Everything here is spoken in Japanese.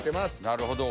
なるほど。